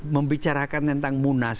membicarakan tentang munas